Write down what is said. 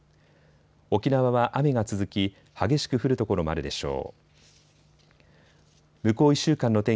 沖縄は雨が続き激しく降る所もあるでしょう。